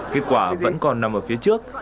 kết quả vẫn còn nằm ở phía trước